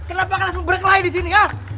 kenapa kalian semua berkelahi di sini